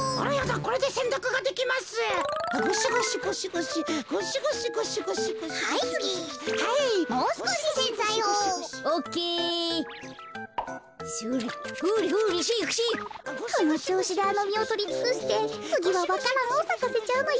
このちょうしであのみをとりつくしてつぎはわか蘭をさかせちゃうのよ。